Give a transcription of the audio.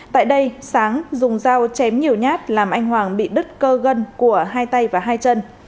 tại đây sáng dùng dao chém nhiều nhát làm anh hoàng bị đứt cơ gân của hai tay và hai chân